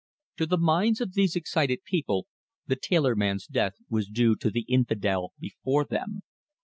To the minds of these excited people the tailor man's death was due to the infidel before them.